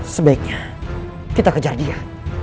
sebaiknya kita kejar dia